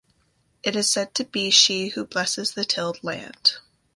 It is said to be she who blesses the tilled land.